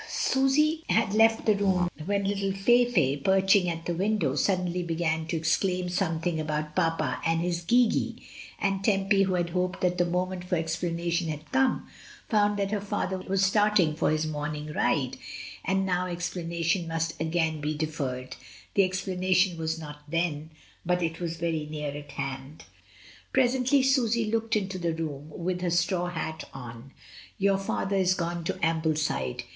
Susy had left the room when little Fayfay, perch ing at the window, suddenly began to exclaim something about "papa and his gee gee," and Tempy, who had hoped that the moment for explanation had come, found that her father was starting for his morning ride, and now explanation must be again deferred. The explanation was not then, but it was very near at hand. Presently Susy looked into the room, with her straw hat on. "Your father is gone to Ambleside.